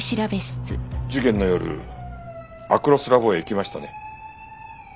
事件の夜アクロスラボへ行きましたね？